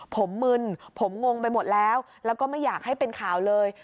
ผมมึนผมงงไปหมดแล้วแล้วก็ไม่อยากให้เป็นข่าวเลย